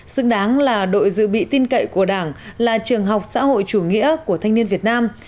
xứng đáng là đội dự bị tin cậy của đảng là trường học xã hội chủ nghĩa của thanh niên việt nam